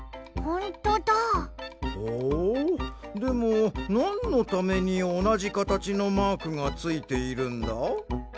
ほうでもなんのためにおなじかたちのマークがついているんだ？